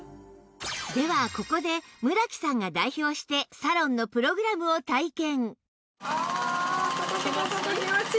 ではここで村木さんが代表してサロンのプログラムを体験